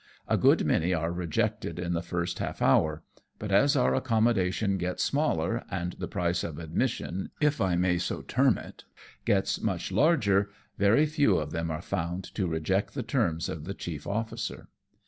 A good many are rejected in the first half hour, but as our accommodation gets smaller^ and the price of admission, if I may so term it, gets much larger, very few of them are found to reject the terms of the chief officer.